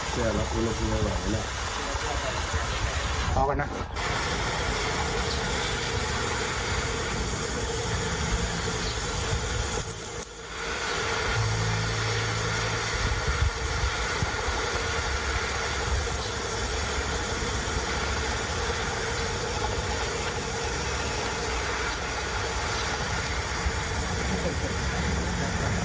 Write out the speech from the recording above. เชื่อรักวีลูกดูอร่อยเหรอ